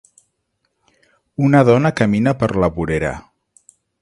Una dona camina per la vorera.